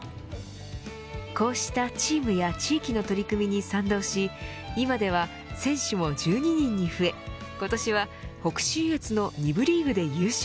こうしたチームや地域の取り組みに賛同し今では選手も１２人に増え今年は北信越の２部リーグで優勝。